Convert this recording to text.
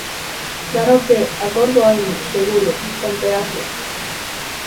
Claro que, acordo haino, seguro, con peaxe.